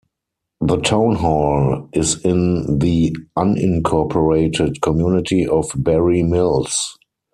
The town hall is in the unincorporated community of Barre Mills.